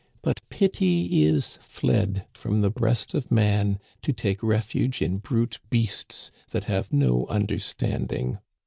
But pity is fled from the breast of man to take refuge in brute beasts that have no understanding.